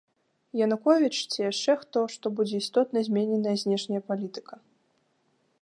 Януковіч, ці яшчэ хто, што будзе істотна змененая знешняя палітыка.